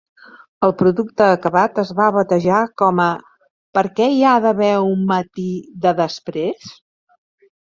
El producte acabat es va batejar com a "Per què hi ha d'haver un matí de després?"